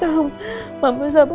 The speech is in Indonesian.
sal mampus salmu